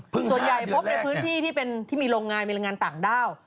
เพิ่งหาเดือนแรกแน่น่ะส่วนใหญ่พบในพื้นที่ที่มีโรงงานต่างด้าว